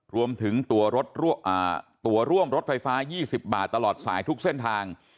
รวมถึงตัวร่วมรถไฟฟ้า๒๐บาทตลอดสายทุกเส้นทาง